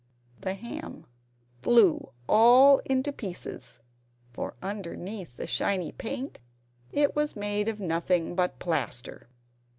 The ham flew all into pieces, for underneath the shiny paint it was made of nothing but plaster!